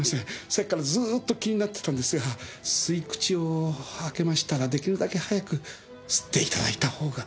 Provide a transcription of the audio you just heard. さっきからずーっと気になってたのですが吸い口を開けましたら出来るだけ早く吸っていただいたほうが。